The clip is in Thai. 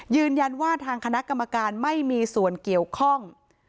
ยืนยันว่าทางคณะกรรมการไม่มีส่วนเกี่ยวข้อง